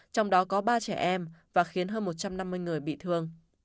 trong đó có ba trẻ em và khiến hơn một trăm năm mươi người bị thương